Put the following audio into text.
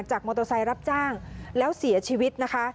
มอเตอร์ไซค์รับจ้างแล้วเสียชีวิตนะคะ